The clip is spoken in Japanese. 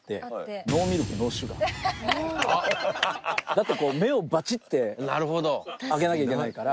だって目をバチッて開けなきゃいけないから。